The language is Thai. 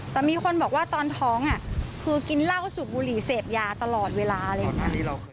แต่มีคนบอกว่าตอนท้องคือกินเหล้าสูบบุหรี่เสพยาตลอดเวลาอะไรอย่างนี้